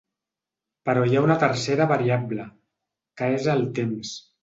Però hi ha una tercera variable, que és el temps.